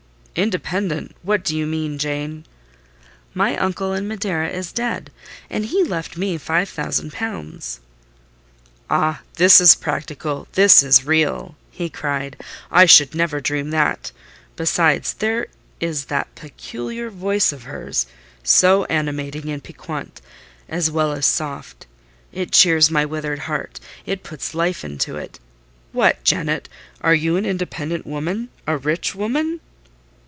"Independent! What do you mean, Jane?" "My uncle in Madeira is dead, and he left me five thousand pounds." "Ah! this is practical—this is real!" he cried: "I should never dream that. Besides, there is that peculiar voice of hers, so animating and piquant, as well as soft: it cheers my withered heart; it puts life into it.—What, Janet! Are you an independent woman? A rich woman?"